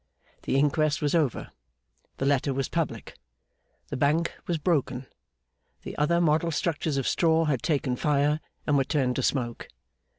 The Inquest was over, the letter was public, the Bank was broken, the other model structures of straw had taken fire and were turned to smoke.